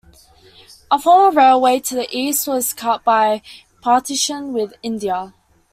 A former railway to the east was cut by partition with India.